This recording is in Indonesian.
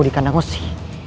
di kandang usi